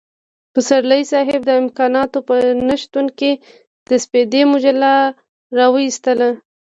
پسرلی صاحب د امکاناتو په نشتون کې د سپېدې مجله را وايستله.